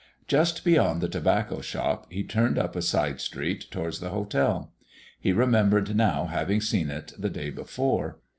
Just beyond the tobacco shop he turned up a side street towards the hotel. He remembered now having seen it the day before.